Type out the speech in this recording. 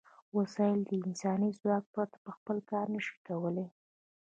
وسایل د انساني ځواک پرته په خپله کار نشي کولای.